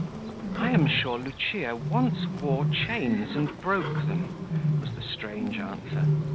"I am sure Lucia once wore chains and broke them," was the strange answer.